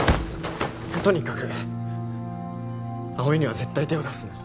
とにかく葵には絶対手を出すな。